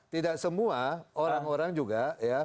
tidak semua orang orang juga ya